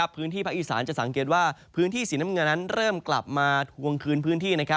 พื้นที่ภาคอีสานจะสังเกตว่าพื้นที่สีน้ำเงินนั้นเริ่มกลับมาทวงคืนพื้นที่